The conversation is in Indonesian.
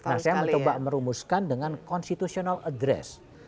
nah saya mencoba merumuskan dengan constitutional address